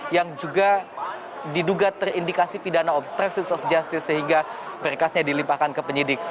yang juga diduga terindikasi pidana obstruction of justice sehingga berkasnya dilimpahkan ke penyidik